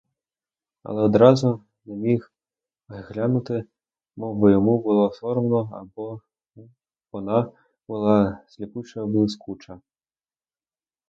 Але одразу не міг глянути, мовби йому було соромно або вона була сліпуче блискуча.